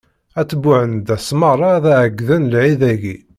At Buɛendas meṛṛa ad ɛeggden lɛid-agi.